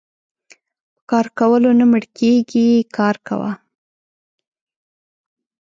په کار کولو نه مړکيږي کار کوه .